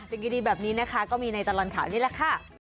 สิ่งดีแบบนี้นะคะก็มีในตลอดข่าวนี่แหละค่ะ